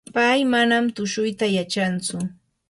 pay manam tushuyta yachantsu.